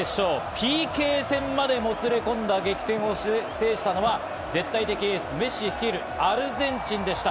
ＰＫ戦までもつれ込んだ激戦を制したのは絶対的エース、メッシ率いるアルゼンチンでした。